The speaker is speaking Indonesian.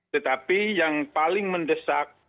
tetapi yang paling mendesak